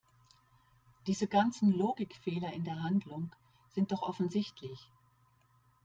Diese ganzen Logikfehler in der Handlung sind doch offensichtlich!